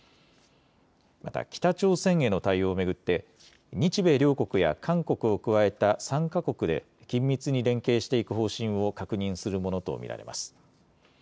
また北朝鮮への対応を巡って日米両国や韓国を加えた３か国で緊密に連携していく方針を確認するものと見られます。